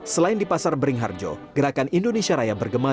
selain di pasar beringharjo gerakan indonesia raya bergema